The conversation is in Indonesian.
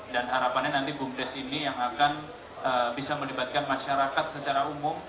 dan harapannya nanti bumdes ini yang akan bisa melibatkan masyarakat secara umum